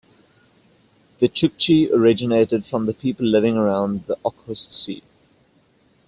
The Chukchi originated from the people living around the Okhotsk Sea.